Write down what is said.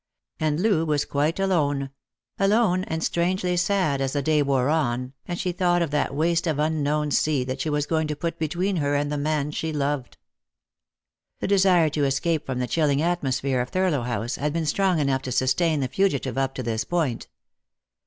And Loo was quite alone — alone and strangely sad as the day wore on, and she thought of that waste of unknown sea that she was going to put between her and the man she loved. The desire to escape from the chilling atmosphere of Thurlow House had been strong enough to sustain the fugitive up to this Eoint.